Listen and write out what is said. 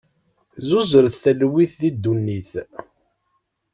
Zzuzret talwit di ddunit!